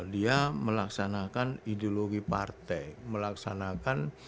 dia melaksanakan ideologi partai melaksanakan